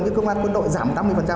nhưng công an quân đội giảm tám mươi